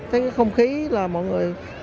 thấy cái không khí là mọi người